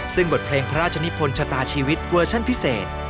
ซึ่งบทเพลงพระราชนิพลชะตาชีวิตเวอร์ชั่นพิเศษ